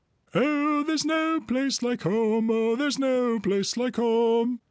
"Oh, there's no place like home! Oh, there's no place like home!"